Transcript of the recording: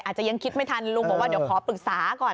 อาจจะยังคิดไม่ทันลุงบอกว่าเดี๋ยวขอปรึกษาก่อน